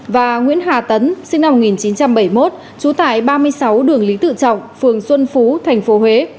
và nguyễn hà tấn sinh năm một nghìn chín trăm bảy mươi một trú tại ba mươi sáu đường lý tự trọng phường xuân phú tp huế